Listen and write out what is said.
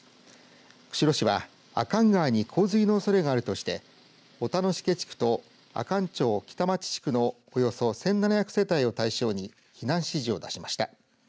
釧路市は阿寒川に洪水のおそれがあるとして大楽毛地区と阿寒町北町地区のおよそ１７００世帯を対象に避難指示を出しました。